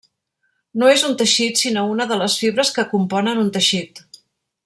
No és un teixit sinó una de les fibres que componen un teixit.